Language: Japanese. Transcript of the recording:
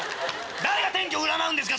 誰が天気を占うんですか？